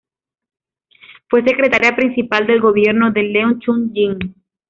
Fue Secretaria Principal del gobierno de Leung Chun-ying.